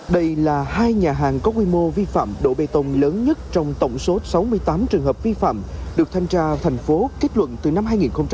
đây là hai nhà hàng có quy mô vi phạm độ bê tông lớn nhất trong tổng số sáu mươi tám trường hợp vi phạm được thanh tra thành phố kết luận từ năm hai nghìn một mươi